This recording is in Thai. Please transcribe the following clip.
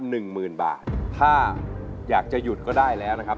หนึ่งหมื่นบาทถ้าอยากจะหยุดก็ได้แล้วนะครับ